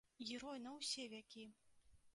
Герой на ўсе вякі!